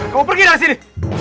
kamu pergi dari sini